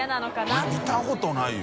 佑見たことないよ。